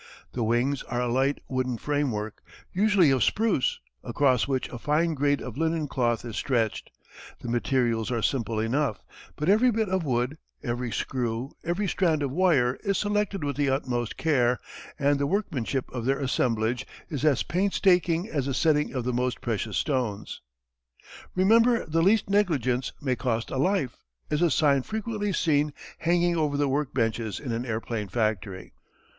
The wings are a light wooden framework, usually of spruce, across which a fine grade of linen cloth is stretched. The materials are simple enough, but every bit of wood, every screw, every strand of wire is selected with the utmost care, and the workmanship of their assemblage is as painstaking as the setting of the most precious stones. [Illustration: © International Film Service. A German "Gotha" their Favorite Type.] "REMEMBER THE LEAST NEGLIGENCE MAY COST A LIFE!" is a sign frequently seen hanging over the work benches in an airplane factory.